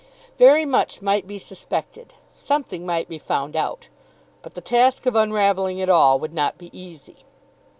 Very much might be suspected. Something might be found out. But the task of unravelling it all would not be easy.